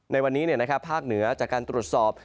ในวันนี้ภาคเหนือจากการตรวจสอบ